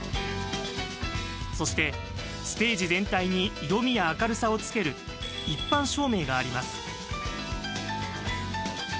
そして、ステージ全体に色みや明るさをつける一般照明があります。